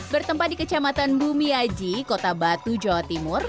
bertempat di kecamatan bumiaji kota batu jawa timur